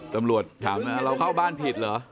ตำรวจถามว่าเราเข้าบ้านผิดเหรอ